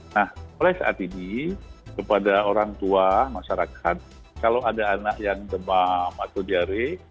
nah mulai saat ini kepada orang tua masyarakat kalau ada anak yang demam atau diare